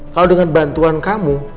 kalau dengan bantuan kamu